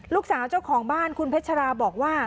เจ้าของบ้านคุณเพชราบอกว่า